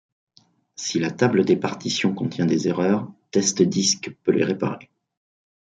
Si la Table des Partitions contient des erreurs, TestDisk peut les réparer.